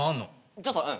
ちょっとうん。